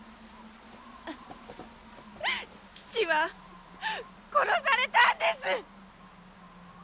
父は殺されたんです！